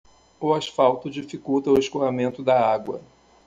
O asfalto dificulta o escoamento da água.